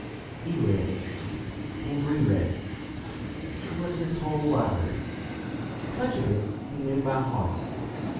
He read it, and re read it. It was his whole library. Much of it he knew by heart.